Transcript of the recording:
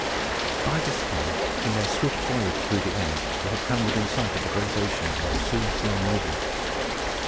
By this time, in their swift voyage through the air, they had come within sight of the great ocean, and were soon flying over it.